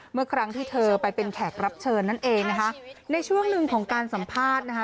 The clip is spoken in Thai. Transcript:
เมื่อครั้งที่เธอไปเป็นแขกรับเชิญนั่นเองนะคะในช่วงหนึ่งของการสัมภาษณ์นะคะ